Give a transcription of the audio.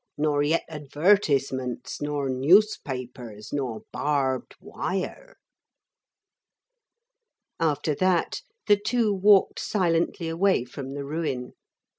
Nor yet advertisements, nor newspapers, nor barbed wire.' After that the two walked silently away from the ruin.